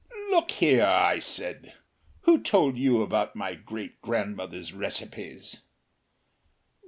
"Look here," I said, "who told you about my great grandmother's recipes?"